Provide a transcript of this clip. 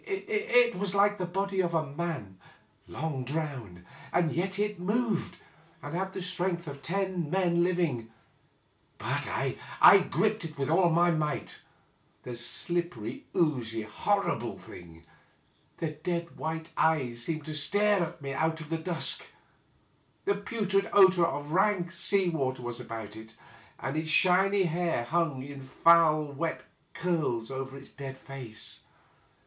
It was like the body of a man long drowned, and yet it moved, and had the strength of ten men living ; but I gripped it with all my might — the slippery, oozy, horrible thing — ^the dead white eyes seemed to stare at me out of the dusk ; the putrid odor of rank sea water was about it, and its shiny hair hung in foul wet curls over its dead face.